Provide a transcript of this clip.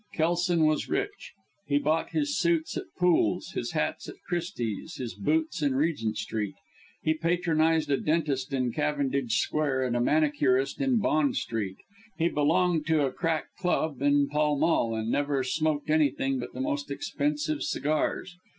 Kelson was rich. He bought his suits at Poole's, his hats at Christie's, his boots in Regent Street. He patronized a dentist in Cavendish Square, and a manicurist in Bond Street. He belonged to a crack club in Pall Mall, and never smoked anything but the most expensive cigars.